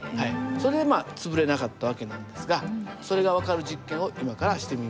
それでまあ潰れなかった訳なんですがそれが分かる実験を今からしてみましょう。